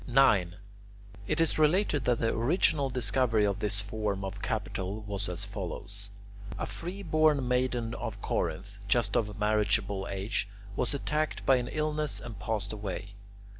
9. It is related that the original discovery of this form of capital was as follows. A free born maiden of Corinth, just of marriageable age, was attacked by an illness and passed away.